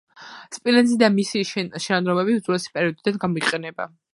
სპილენძი და მისი შენადნობები უძველესი პერიოდიდან გამოიყენება.